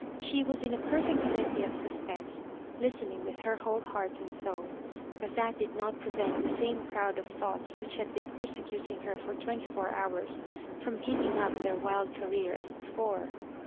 She was in a perfect frenzy of suspense, listening with her whole heart and soul; but that did not prevent the same crowd of thoughts which had been persecuting her for twenty four hours from keepmg up their wild career as before.